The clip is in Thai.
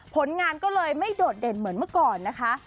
ผลงานก็เลยไม่โดดเด่นเหมือนเมื่อก่อนนะคะ